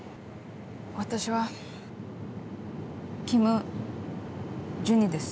私はキム・ジュニです。